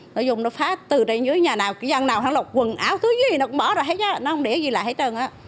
nó dùng nó phá từ đây dưới nhà nào cái gian nào quần áo thứ gì nó cũng bỏ rồi hết trơn nó không để gì lại hết trơn